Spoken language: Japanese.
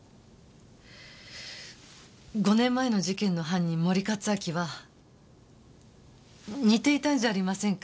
５年前の事件の犯人森克明は似ていたんじゃありませんか？